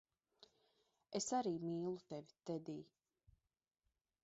Es arī mīlu tevi, Tedij.